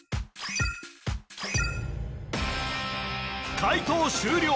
解答終了